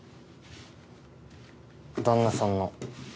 旦那さんの。